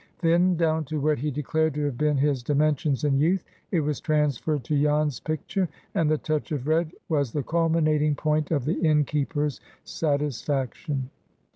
Thinned down to what he declared to have been his dimensions in youth, it was transferred to Jan's picture, and the touch of red was the culminating point of the innkeeper's satisfaction.